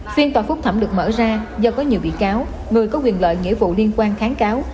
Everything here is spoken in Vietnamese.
phiên tòa phúc thẩm được mở ra do có nhiều bị cáo người có quyền lợi nghĩa vụ liên quan kháng cáo